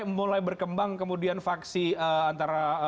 mulai berkembang kemudian vaksi antara zulkifli han